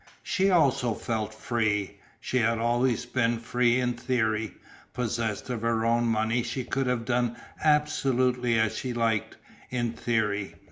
She also felt free. She had always been free in theory; possessed of her own money she could have done absolutely as she liked, in theory.